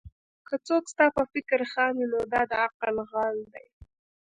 که څوک ستا پر فکر خاندي؛ نو دا د عقل غل دئ.